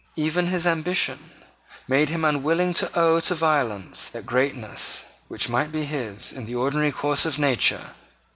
Even his ambition made him unwilling to owe to violence that greatness which might be his in the ordinary course of nature and of law.